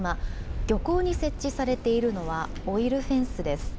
漁港に設置されているのは、オイルフェンスです。